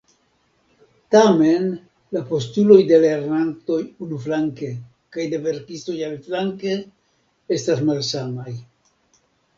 Tamen, la postuloj de lernantoj, unuflanke, kaj de verkistoj, aliflanke, estas malsamaj.